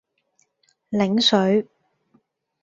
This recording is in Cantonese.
檸水